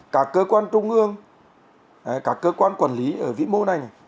cả cơ quan trung ương cả cơ quan quản lý ở vĩ mô này